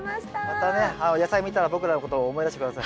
またね野菜を見たら僕らのことを思い出して下さい。